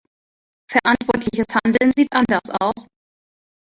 Verantwortliches Handeln sieht anders aus.